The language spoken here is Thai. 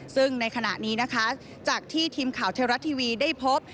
ซึ่งในขณะนี้นะคะจากที่ทีมข่าวเทวรัฐทีวีได้พบ